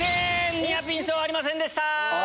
ニアピン賞ありませんでした。